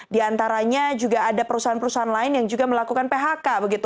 di antaranya juga ada perusahaan perusahaan lain yang juga melakukan phk